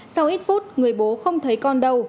sau ít phút người bố không thấy con đâu